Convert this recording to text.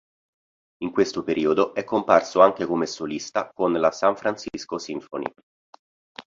In questo periodo è comparso anche come solista con la San Francisco Symphony.